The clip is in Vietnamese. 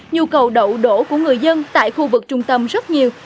nhu cầu đậu đổ của người dân tại khu vực trung tâm rất nhiều